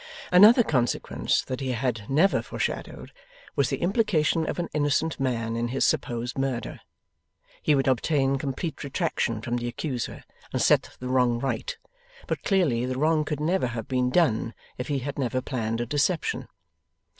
Another consequence that he had never foreshadowed, was the implication of an innocent man in his supposed murder. He would obtain complete retraction from the accuser, and set the wrong right; but clearly the wrong could never have been done if he had never planned a deception.